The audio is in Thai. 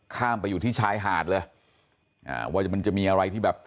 ข้ามไปอยู่ที่ชายหาดเลยอ่าว่ามันจะมีอะไรที่แบบ